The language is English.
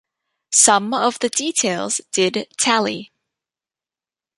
Some of the details did tally.